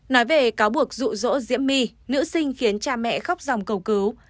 nói về cáo buộc rụ rỗ diễm my nữ sinh khiến cha mẹ khóc dòng cầu cứu